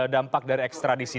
dampak dari ekstradisi